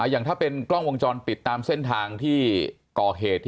อย่างถ้าเป็นกล้องวงจรปิดตามเส้นทางที่ก่อเหตุ